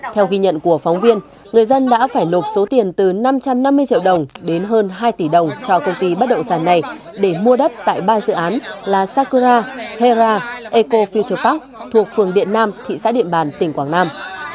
theo ghi nhận của phóng viên người dân đã phải nộp số tiền từ năm trăm năm mươi triệu đồng đến hơn hai tỷ đồng cho công ty bất động sản này để mua đất tại ba dự án là sakura hera eco futupark thuộc phường điện nam thị xã điện bàn tỉnh quảng nam